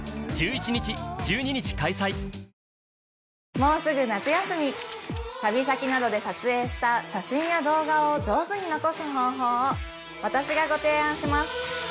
もうすぐ夏休み旅先などで撮影した写真や動画を上手に残す方法を私がご提案します